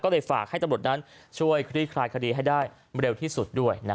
ด้วยฝากให้ตำรวจช่วยคลีดคลายคดีได้เร็วที่สุด